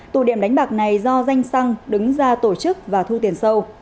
tụ điểm đánh bạc này do danh xăng đứng ra tổ chức và thu tiền sâu